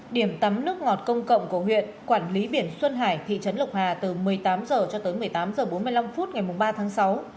điểm tắm nước ngọt công cộng của huyện quản lý biển xuân hải thị trấn lộc hà từ một mươi tám h cho tới một mươi tám h bốn mươi năm phút ngày ba tháng sáu